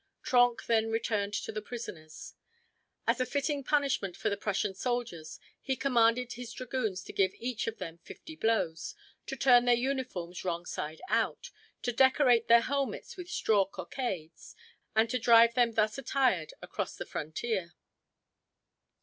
Trenck then returned to the prisoners. As a fitting punishment for the Prussian soldiers, he commanded his dragoons to give each of them fifty blows, to turn their uniforms wrongside out, to decorate their helmets with straw cockades, and to drive them thus attired across the frontier.